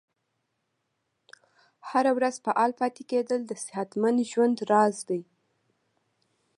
هره ورځ فعال پاتې کیدل د صحتمند ژوند راز دی.